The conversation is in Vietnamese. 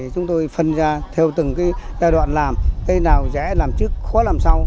chúng tôi phân ra theo từng giai đoạn làm cái nào dễ làm trước khó làm sau